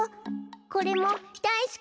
これもだいすき。